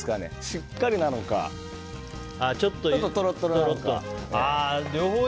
しっかりなのかちょっとトロトロなのか。